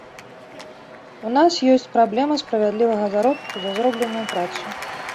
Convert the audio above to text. У нас ёсць праблема справядлівага заробку за зробленую працу.